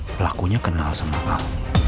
pelakunya kenal sama kamu